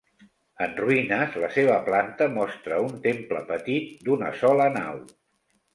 En ruïnes, la seva planta mostra un temple petit, d'una sola nau.